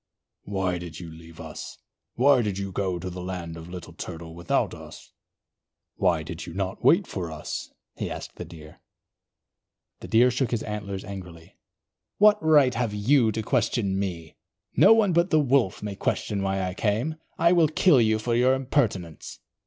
"Why did you leave us? Why did you go to the land of Little Turtle without us? Why did you not wait for us?" he asked the Deer. The Deer shook his antlers angrily. "What right have you to question me? No one but the Wolf may question why I came. I will kill you for your impertinence."